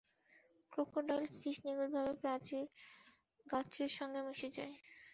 Crocodile fish নিখুঁতভাবে প্রাচীর গাত্রের সঙ্গে মিশে যায়।